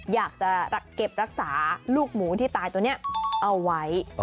อยากจะเก็บรักษาลูกหมูที่ตายตัวนี้เอาไว้